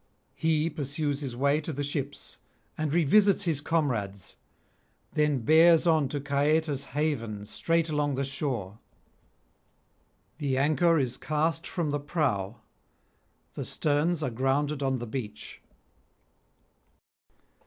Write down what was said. He pursues his way to the ships and revisits his comrades; then bears on to Caieta's haven straight along the shore. The anchor is cast from the prow; the sterns are grounded on the beach.